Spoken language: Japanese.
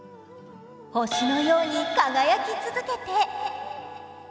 「星のように輝き続けて」。